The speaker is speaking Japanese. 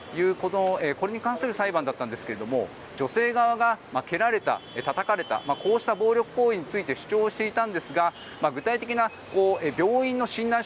これに関する裁判だったんですが女性側が蹴られた、たたかれたこうした暴力行為について主張をしていたんですが具体的な病院の診断書